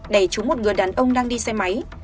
đè trúng một người đàn ông đang đi xe máy